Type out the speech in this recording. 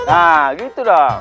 nah gitu dong